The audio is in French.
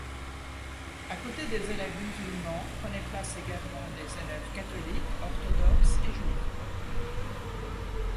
À côté des élèves musulmans, prenaient place également des élèves catholiques, orthodoxes et juifs.